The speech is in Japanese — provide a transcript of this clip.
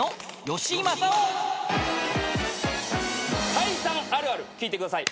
解散あるある聞いてください。